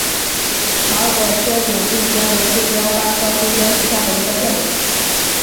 毛果缺顶杜鹃为杜鹃花科杜鹃属下的一个变种。